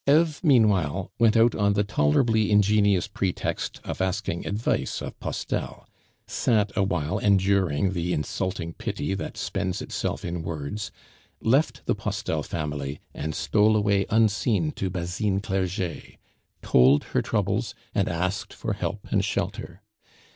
Eve meanwhile went out on the tolerably ingenious pretext of asking advise of Postel, sat awhile enduring the insulting pity that spends itself in words, left the Postel family, and stole away unseen to Basine Clerget, told her troubles, and asked for help and shelter.